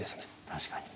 確かに。